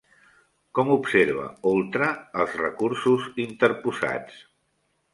Com observa Oltra els recursos interposats?